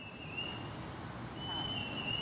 มะเกิด